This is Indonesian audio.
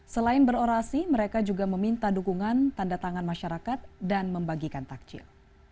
selain berorasi mereka juga meminta dukungan tanda tangan masyarakat dan membagikan takjil